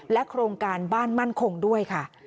โครงการบ้านมั่นคงด้วยค่ะ